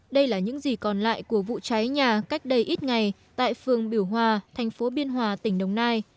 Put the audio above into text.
đây là những gì còn lại của vụ cháy nhà cách đây ít ngày tại phường biểu hòa thành phố biên hòa tỉnh đồng nai